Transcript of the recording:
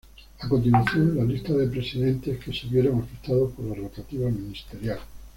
A continuación, la lista de presidentes que se vieron afectados por la "rotativa ministerial".